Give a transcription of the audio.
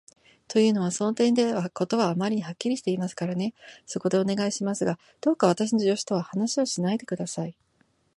というのは、その点では事はあまりにはっきりしていますからね。そこで、お願いしますが、どうか私の助手とは話をしないで下さい。